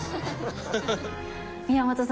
宮本さん